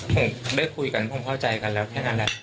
ผมได้คุยกันผมเข้าใจกันแล้วแค่นั้นแหละ